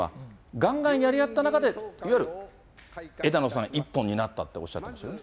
がんがんやり合った中で、いわゆる枝野さん、一本になったっておっしゃってましたね。